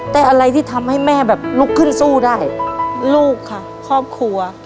แต่อะไรที่ทำให้แม่แบบลุกขึ้นสู้ได้ลูกค่ะครอบครัว